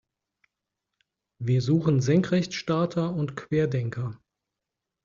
Wir suchen Senkrechtstarter und Querdenker.